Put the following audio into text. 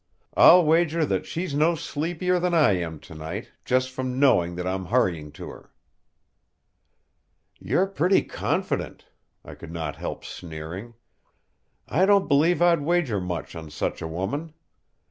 I'll wager that she's no sleepier than I am to night, just from knowing that I'm hurrying to her." "You're pretty confident," I could not help sneering. "I don't believe I'd wager much on such a woman.